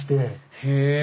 へえ！